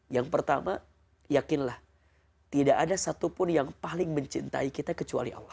yang pertama yakinlah tidak ada satupun yang paling mencintai kita kecuali allah